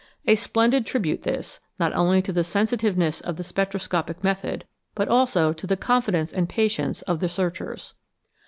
A splendid tribute this, not only to the sensitiveness of the spectroscopic method, but also to the confidence and patience of the searchers.